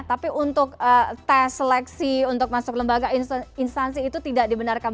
tapi untuk tes seleksi untuk masuk lembaga instansi itu tidak dibenarkan